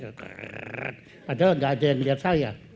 padahal nggak ada yang melihat saya